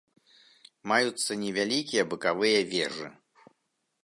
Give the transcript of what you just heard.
Маюцца невялікія бакавыя вежы.